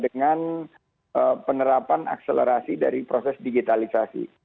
dengan penerapan akselerasi dari proses digitalisasi